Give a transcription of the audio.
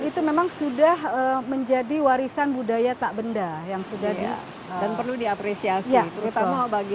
itu memang sudah menjadi warisan budaya tak benda yang sudah di dan perlu diapresiasi terutama bagi